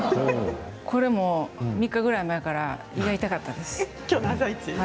これも３日ぐらい前から胃が痛かったです。